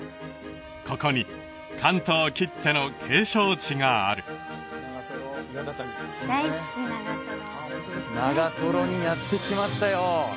ここに関東きっての景勝地がある大好き長瀞長瀞にやって来ましたよ